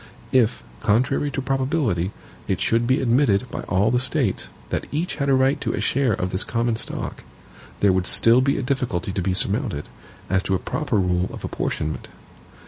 If, contrary to probability, it should be admitted by all the States, that each had a right to a share of this common stock, there would still be a difficulty to be surmounted, as to a proper rule of apportionment.